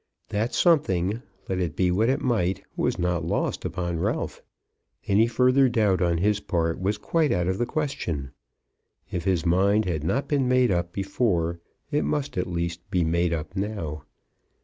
That something, let it be what it might, was not lost upon Ralph. Any further doubt on his part was quite out of the question. If his mind had not been made up before it must, at least, be made up now.